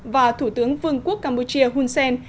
và thủ tướng vương quốc campuchia hun sen